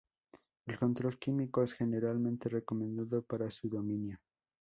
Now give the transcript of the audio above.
El control químico es generalmente recomendado para su dominio.